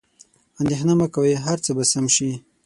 اندیښنه مه کوئ، هر څه به سم شي.